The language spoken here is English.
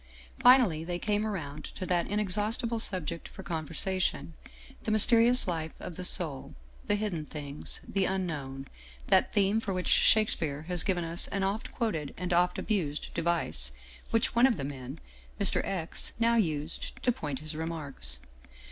Finally they came around to that in exhaustible subject for conversation, the mysterious life of the soul, the hidden things, the Unknown, that theme for which Shakespeare has given us an oft quoted and oft abused device, which one of the men, Mr. X., now used to point his remarks.